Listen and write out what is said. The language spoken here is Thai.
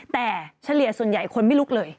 แต่เฉลี่ยส่วนใหญ่คนไม่ลุกเลย